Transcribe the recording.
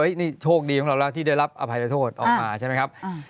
นี่โชคดีของเราแล้วที่ได้รับอภัยโทษออกมาใช่ไหมครับ